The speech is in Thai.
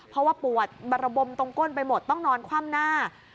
เพราะว่าปวดบรบมตรงก้นไปหมดต้องนอนคว่ำหน้า